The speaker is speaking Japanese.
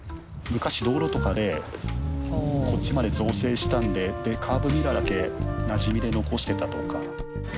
昔道路とかでこっちまで造成したんででカーブミラーだけなじみで残してたとか？